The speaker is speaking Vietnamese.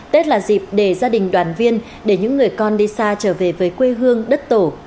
tết là dịp để gia đình đoàn viên để những người con đi xa trở về với quê hương đất tổ